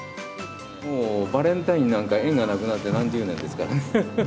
もうバレンタインなんか縁がなくなって何十年ですからね。